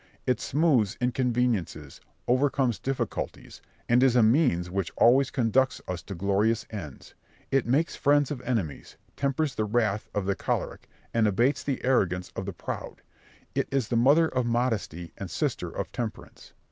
It smooths inconveniences, overcomes difficulties, and is a means which always conducts us to glorious ends; it makes friends of enemies, tempers the wrath of the choleric, and abates the arrogance of the proud: it is the mother of modesty, and sister of temperance.